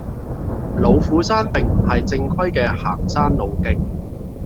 老虎山並唔係正規嘅行山路徑